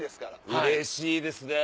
うれしいですね。